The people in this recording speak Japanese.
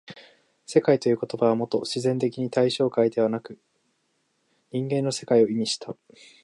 「世界」という言葉はもと自然的対象界でなく人間の世界を意味した。